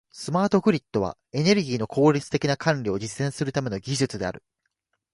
スマートグリッドは、エネルギーの効率的な管理を実現するための技術である。